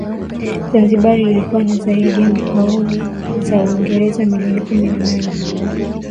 Zanzibar ilikuwa na zaidi ya pauni za Uingereza milioni kumi na nne